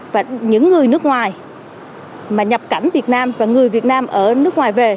và những người nước ngoài mà nhập cảnh việt nam và người việt nam ở nước ngoài về